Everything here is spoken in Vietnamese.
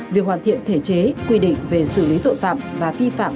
việc hoàn thiện thể chế quy định về xử lý tội phạm và vi phạm